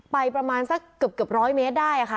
ไปประมาณสักเกือบ๑๐๐เมตรได้อ่ะค่ะ